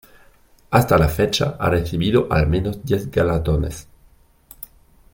Hasta la fecha ha recibido al menos diez galardones.